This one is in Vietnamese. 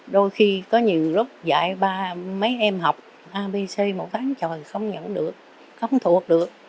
đôi khi có nhiều lúc dạy ba mấy em học abc một ván trời không nhận được không thuộc được